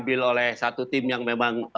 itu tim yang memang